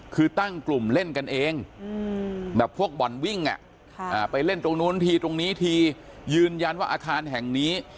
คือตั้งกลุ่มเล่นกันเองแบบพวกบ่อนวิ่งไปเล่นตรงนู้นทีตรงนี้ทียืนยันว่าอาคารแห่งนี้